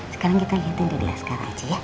sekarang kita lihat yang dia bilang sekarang aja ya